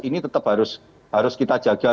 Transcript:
ini tetap harus kita jaga